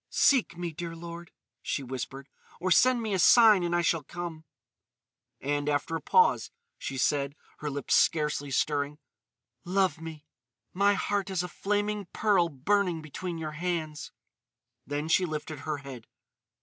"Seek me, dear lord," she whispered. "Or send me a sign and I shall come." And, after a pause, she said, her lips scarcely stirring: "Love me. My heart is a flaming pearl burning between your hands." Then she lifted her head.